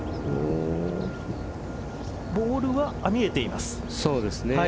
ボールは見えています。